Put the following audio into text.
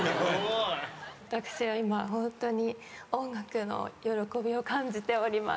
私は今ホントに音楽の喜びを感じております。